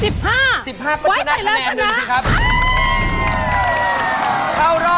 ๓บวก๑๒เป็นเท่าไหร่